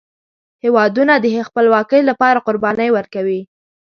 هیوادونه د خپلواکۍ لپاره قربانۍ ورکوي.